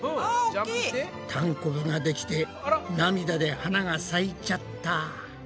たんこぶができて涙で花が咲いちゃった。